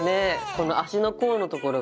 この足の甲のところがさ